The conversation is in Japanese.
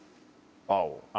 青。